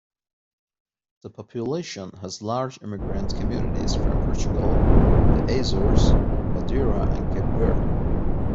The population has large immigrant communities from Portugal, the Azores, Madeira and Cape Verde.